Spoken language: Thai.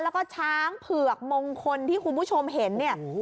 แล้วก็ช้างเผือกมงคลที่คุณผู้ชมเห็นเนี่ย